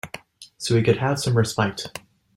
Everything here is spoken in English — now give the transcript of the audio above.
So we could have some respite.